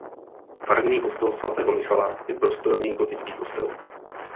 Farní kostel svatého Michala je prostorný gotický kostel.